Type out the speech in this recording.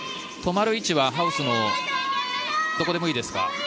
止まる位置はハウスのどこでもいいですか。